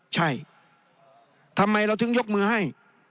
ใช่ทำไมเราถึงยกมือให้